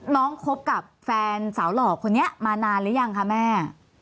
คบกับแฟนสาวหล่อคนนี้มานานหรือยังคะแม่